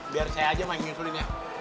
biar saya aja yang susulin ya